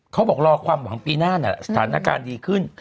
เขาบอกรอความหวังปีหน้าน่ะสถานการณ์ดีขึ้น